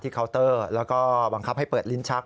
เคาน์เตอร์แล้วก็บังคับให้เปิดลิ้นชัก